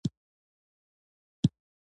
د تولید د عواملو کم اغېزمنتوب.